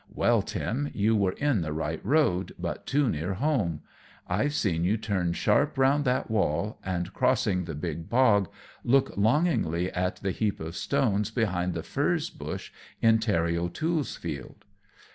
Well, Tim, you were in the right road, but too near home. I've seen you turn sharp round that wall, and, crossing the big bog, look longingly at the heap of stones behind the furze bush in Terry O'Toole's field."